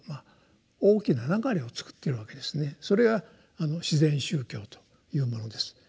それが「自然宗教」というものです。